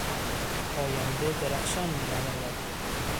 آینده درخشان مینماید.